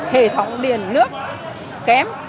hệ thống điện nước kém